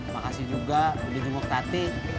makasih juga buat jenguk tati